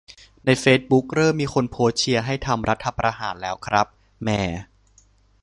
ในเฟซบุ๊กเริ่มมีคนโพสต์เชียร์ให้ทำรัฐประหารแล้วครับ แหม่